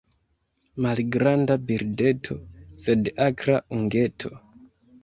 Malgranda birdeto, sed akra ungeto.